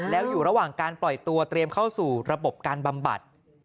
แล้วอยู่ระหว่างการปล่อยตัวเตรียมเข้าสู่ระบบการบำบัด